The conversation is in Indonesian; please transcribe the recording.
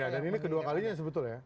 ya dan ini kedua kalinya yang sebetulnya ya